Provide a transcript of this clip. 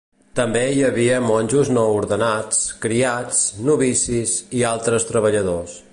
També hi havia monjos no ordenats, criats, novicis, i altres treballadors.